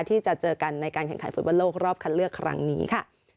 ที่จะเจอกันในการแข่งขันฟุตบอลโลกรอบคัดเลือกครั้งนี้ค่ะ